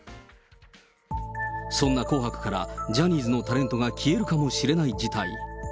そんな紅白から、ジャニーズのタレントが消えるかもしれない事態。